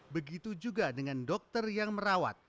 begitu juga dengan dokter yang merawat